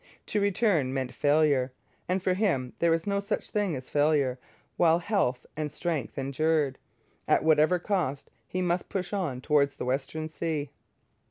To return meant failure; and for him there was no such thing as failure while health and strength endured. At whatever cost, he must push on towards the Western Sea.